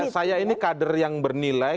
saya ini kader yang bernilai